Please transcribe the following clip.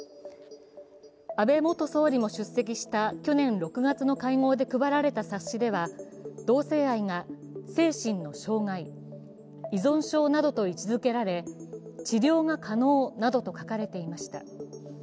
安倍元総理も出席した去年６月の会合で配られた冊子では、同性愛が精神の障害、依存症などと位置づけられ治療が可能などと書かれていました。